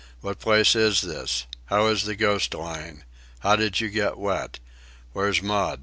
What place is this? How is the Ghost lying? How did you get wet? Where's Maud?